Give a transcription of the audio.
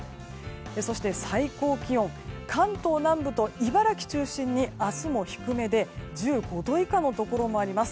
そして最高気温関東南部と茨城中心に明日も低めで１５度以下のところもあります。